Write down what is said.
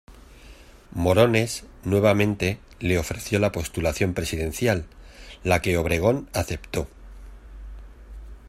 Morones, nuevamente, le ofreció la postulación presidencial, la que Obregón aceptó.